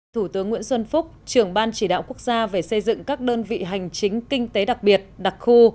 thủ tướng nguyễn xuân phúc trưởng ban chỉ đạo quốc gia về xây dựng các đơn vị hành chính kinh tế đặc biệt đặc khu